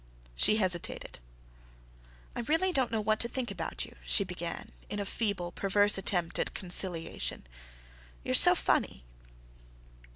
She hesitated. "I really don't know what to think about you," she began, in a feeble, perverse attempt at conciliation. "You're so funny."